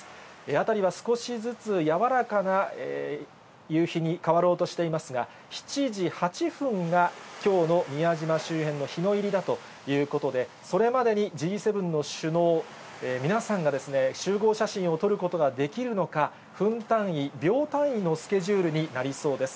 辺りは少しずつ、やわらかな夕日に変わろうとしていますが、７時８分がきょうの宮島周辺の日の入りだということで、それまでにＧ７の首脳、皆さんがですね、集合写真を撮ることができるのか、分単位、秒単位のスケジュールになりそうです。